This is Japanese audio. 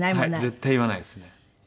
絶対言わないですね。